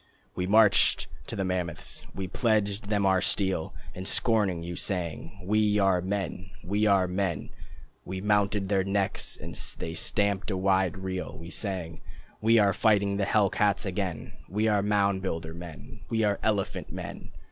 We marched to the mammoths, We pledged them our steel, And scorning you, sang: "We are men, We are men." We mounted their necks, And they stamped a wide reel. We sang: "We are fighting the hell cats again, We are mound builder men, We are elephant men."